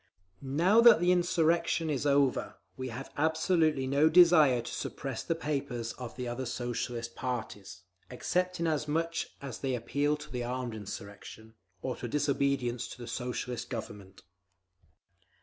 "Now that the insurrection is over, we have absolutely no desire to suppress the papers of the other Socialist parties, except inasmuch as they appeal to armed insurrection, or to disobedience to the Soviet Government.